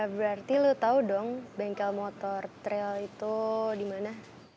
berarti lu tau dong bengkel motor trail itu dimana